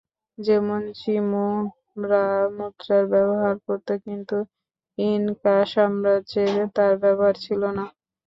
যেমন "চিমু"রা মুদ্রার ব্যবহার করতো, কিন্তু ইনকা সাম্রাজ্যে তার ব্যবহার ছিল না।